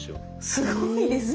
すごいですね。